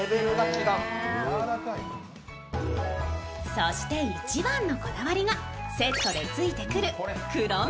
そして、一番のこだわりが、セットでついてくる黒蜜。